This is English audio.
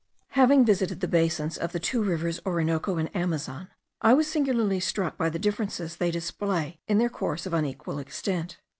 Having visited the basins of the two rivers Orinoco and Amazon, I was singularly struck by the differences they display in their course of unequal extent.